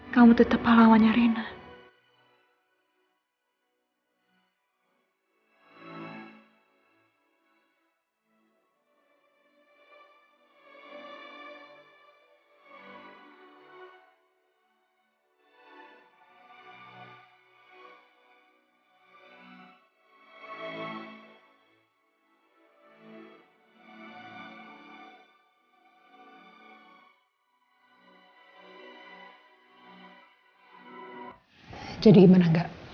kamu tetap lawannya rena